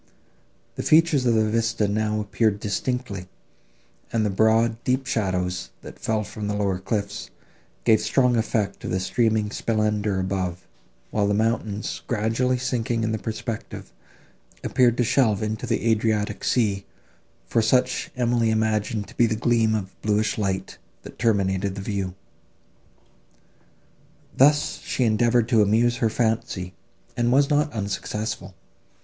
The features of the vista now appeared distinctly, and the broad deep shadows, that fell from the lower cliffs, gave strong effect to the streaming splendour above; while the mountains, gradually sinking in the perspective, appeared to shelve into the Adriatic sea, for such Emily imagined to be the gleam of bluish light that terminated the view. Thus she endeavoured to amuse her fancy, and was not unsuccessful.